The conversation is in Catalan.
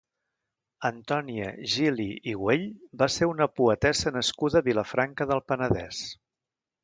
Antonia Gili i Güell va ser una poetessa nascuda a Vilafranca del Penedès.